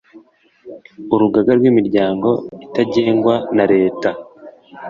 urugaga rw imiryango itagengwa na leta